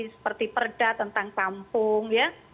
seperti perda tentang kampung